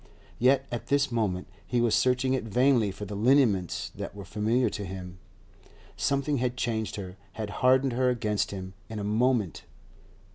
yet at this moment he was searching it vainly for the lineaments that were familiar to him. Something had changed her, had hardened her against him, in a moment.